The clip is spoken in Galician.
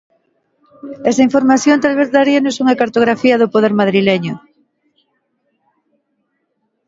Esa información talvez daríanos unha cartografía do poder madrileño.